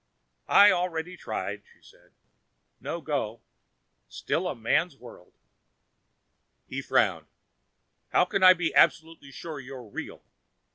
"I've already tried," she said. "No go. Still a man's world." He frowned. "How can I be absolutely sure you're real?"